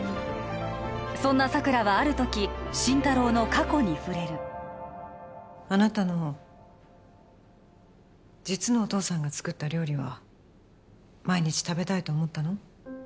そんな佐久良はある時心太朗の過去に触れるあなたの実のお父さんが作った料理は毎日食べたいと思ったの？